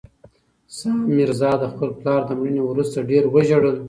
سام میرزا د خپل پلار له مړینې وروسته ډېر وژړل.